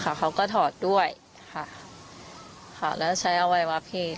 พระอาจารย์ออสบอกว่าอาการของคุณแป๋วผู้เสียหายคนนี้อาจจะเกิดจากหลายสิ่งประกอบกัน